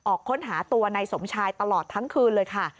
ออกค้นหาตัวนายสมชายตลอดทั้งคืนเลยค่ะ